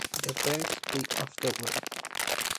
The band split afterwards.